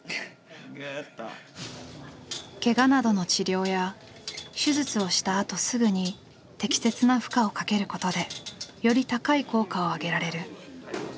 けがなどの治療や手術をしたあとすぐに適切な負荷をかけることでより高い効果を上げられる。